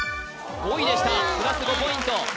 ５位でしたプラス５ポイント